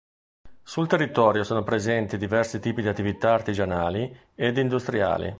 Sul territorio sono presenti diversi tipi di attività artigianali ed industriali.